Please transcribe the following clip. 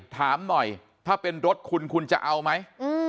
ถามหน่อยถ้าเป็นรถคุณคุณจะเอาไหม